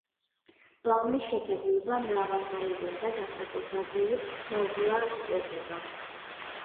ბალნის შეფერილობა მრავალნაირია და განსაკუთრებული მოვლა სჭირდება.